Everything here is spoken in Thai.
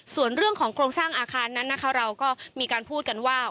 ส่วนเรื่องของโครงสร้างอาคารนั้นนะคะเราก็มีการพูดกันว่า